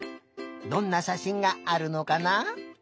どんなしゃしんがあるのかな？